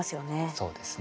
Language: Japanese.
そうですね。